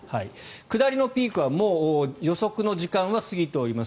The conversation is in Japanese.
下りのピークはもう予測の時間は過ぎております。